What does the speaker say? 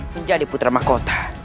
menjadi putra mahkota